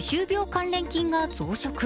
関連菌が増殖。